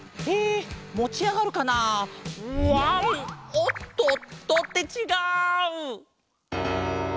おっとっと。ってちがう！